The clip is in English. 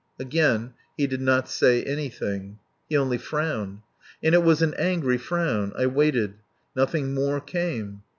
Again he did not say anything. He only frowned. And it was an angry frown. I waited. Nothing more came.